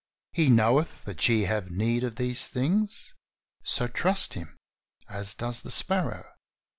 "He knoweth that ye have need of these things," so trust Him, as does the sparrow.